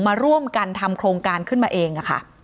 มาร่วมกันทำโครงการขึ้นมาเอง